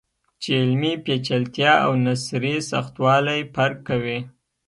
چې علمي پیچلتیا او نثري سختوالی فرق کوي.